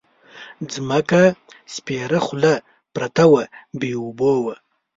ځمکه سپېره خوله پرته وه بې اوبو وه.